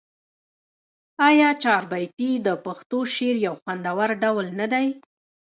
آیا چهاربیتې د پښتو شعر یو خوندور ډول نه دی؟